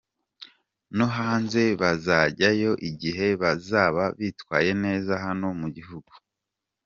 No hanze bazajyayo igihe bazaba bitwaye neza hano mu gihugu.